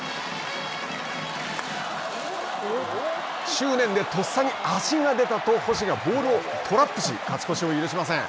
執念でとっさに足が出たと、星がボールをトラップし、勝ち越しを許しません。